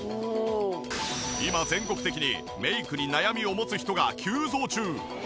毎日今全国的にメイクに悩みを持つ人が急増中！